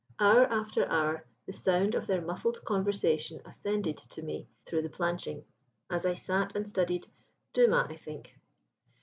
Hour after hour the sound of their muffled conversation ascended to me through the planching, as I sat and studied Dumas, I think.